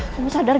kamu sadar gak